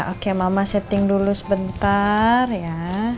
oke mama setting dulu sebentar ya